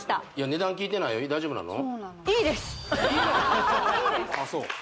値段聞いてないよ大丈夫なの？